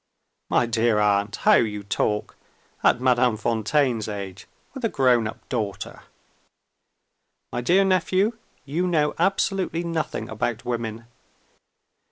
"My dear aunt, how you talk! At Madame Fontaine's age! With a grown up daughter!" "My dear nephew, you know absolutely nothing about women.